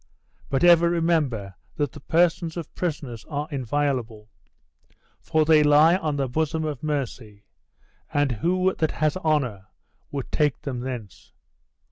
But ever remember that the persons of prisoners are inviolable, for they lie on the bosom of mercy; and who that has honor would take them thence?"